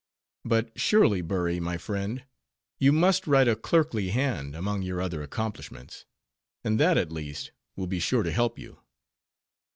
"But surely, Bury, my friend, you must write a clerkly hand, among your other accomplishments; and that at least, will be sure to help you."